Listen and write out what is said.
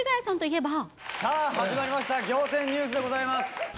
さあ始まりました、仰天ニュースでございます。